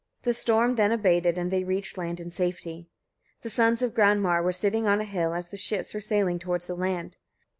The storm then abated and they reached land in safety. The sons of Granmar were sitting on a hill as the ships were sailing towards the land.